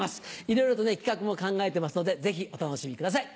いろいろと企画も考えてますのでぜひお楽しみください。